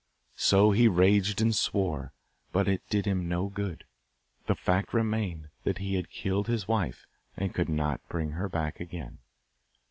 So he raged and swore, but it did him no good. The fact remained that he had killed his wife and could not bring her back again.